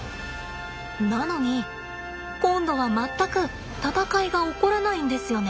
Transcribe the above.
なのに今度は全く戦いが起こらないんですよね。